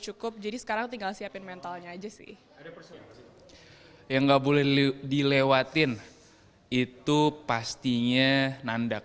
cukup jadi sekarang tinggal siapin mentalnya aja sih yang nggak boleh dilewatin itu pastinya nandak